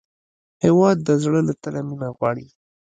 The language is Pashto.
هېواد د زړه له تله مینه غواړي.